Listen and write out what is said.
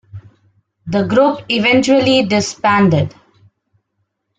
The group eventually disbanded.